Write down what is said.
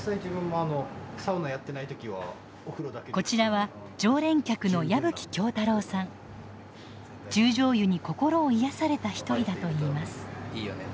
こちらは十條湯に心を癒やされた一人だといいます。